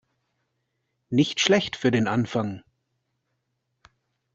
Nicht schlecht für den Anfang.